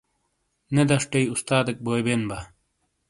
نےدشٹیی استادیک بوئی بین با ۔